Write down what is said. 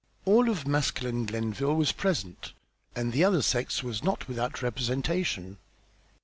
All of masculine Glenville was present, and the other sex was not without representation.